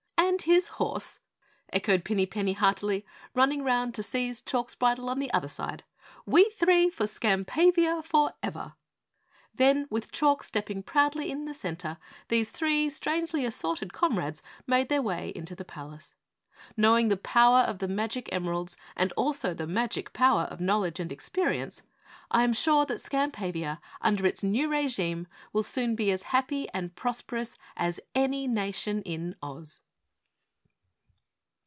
"And his horse!" echoed Pinny Penny heartily, running round to seize Chalk's bridle on the other side. "We three for Skampavia forever!" Then, with Chalk stepping proudly in the center, these three strangely assorted comrades made their way into the palace. Knowing the power of the magic emeralds, and also the magic power of knowledge and experience, I am sure that Skampavia under its new regime, will soon be as happy and prosperous as any Nation in Oz!